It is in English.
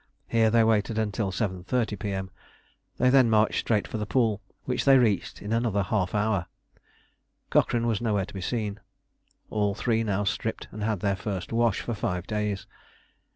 Here they waited until 7.30 P.M. They then marched straight for the pool, which they reached in another half hour. Cochrane was nowhere to be seen. All three now stripped, and had their first wash for five days.